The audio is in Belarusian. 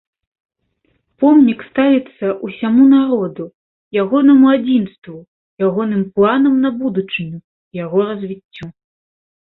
Помнік ставіцца ўсяму народу, ягонаму адзінству, ягоным планам на будучыню і яго развіццю.